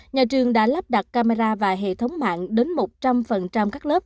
nhà trường đã lắp đặt camera và hệ thống mạng đến một trăm linh các lớp